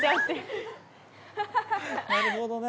なるほどね。